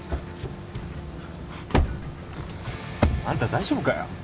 あんた大丈夫かよ？